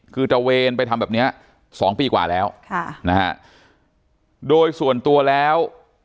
คือเจ้าเวรไปทำแบบนี้๒ปีกว่าแล้วโดยส่วนตัวแล้ว